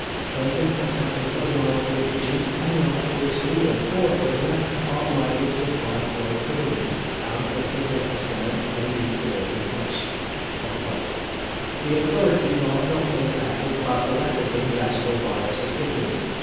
Persons attempting otherwise to introduce any article to or for a prisoner, are liable to a fine or imprisonment, and the Prisoner concerned may be severely punished.*' The authorities are not so careful about the letter being legible by its recipient.